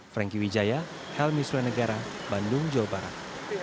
franky wijaya helmi sulenegara bandung jawa barat